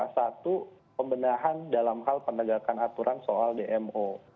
satu pembenahan dalam hal penegakan aturan soal dmo